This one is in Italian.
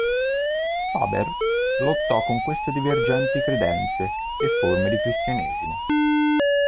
Faber lottò con queste divergenti credenze e forme di cristianesimo.